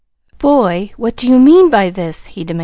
"Boy, what do you mean by this?" he demanded.